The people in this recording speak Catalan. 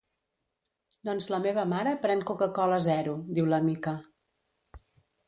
Doncs la meva mare pren coca-cola Zero —diu la Mica.